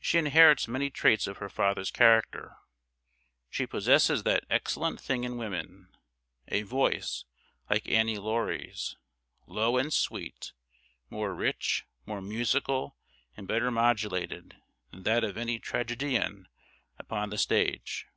She inherits many traits of her father's character. She possesses that "excellent thing in woman," a voice, like Annie Laurie's, low and sweet more rich, more musical, and better modulated, than that of any tragédienne upon the stage.